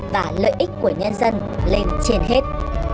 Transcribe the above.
và lợi ích của nhân dân lên trên hết